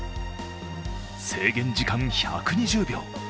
制限時間１２０秒。